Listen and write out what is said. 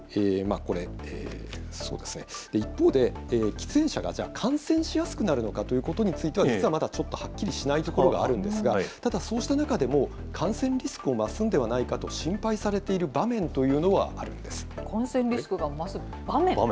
一方で、喫煙者が感染しやすくなるのかということについては、実はまだちょっとはっきりしないところがあるんですが、ただ、そうした中でも、感染リスクを増すんではないかと心配されている場感染リスクが増す場面？